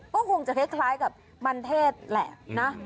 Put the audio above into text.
ก็คงจะคล้ายกับมันเทศแหละนะ